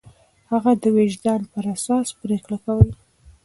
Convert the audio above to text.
هغه د وجدان پر اساس پرېکړې کولې.